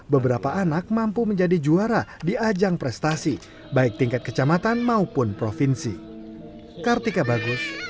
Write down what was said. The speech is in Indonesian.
beberapa anak mampu menjadi juara di ajang prestasi baik tingkat kecamatan maupun provinsi